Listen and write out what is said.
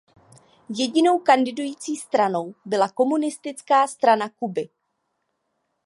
Jedinou kandidující stranou byla Komunistická strana Kuby.